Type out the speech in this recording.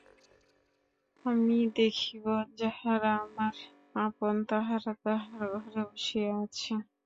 আমি দেখিব যাহারা আমার আপন তাহারা তাঁহার ঘরে বসিয়া আছে।